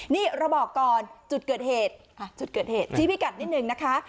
นี่เราบอกก่อนจุดเกิดเหตุจุดเกิดเหตุชี้พิกัดนิดนึงนะคะ